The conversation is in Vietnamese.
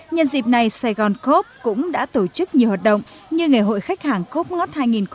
nhân dịp này sài gòn cốc cũng đã tổ chức nhiều hoạt động như ngày hội khách hàng cốc mắc hai nghìn một mươi sáu